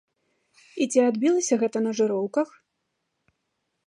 І ці адбілася гэта на жыроўках?